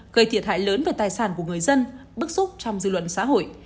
gây thiệt hại lớn về tài sản của người dân bức xúc trong dư luận xã hội